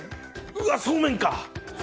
うわ、そうめんか。